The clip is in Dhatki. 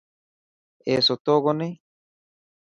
اي ستو ڪوني.